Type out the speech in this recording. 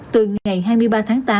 từ ngày hai mươi ba tháng tám